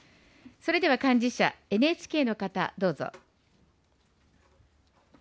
それでは幹事社、ＮＨＫの方、どうぞ。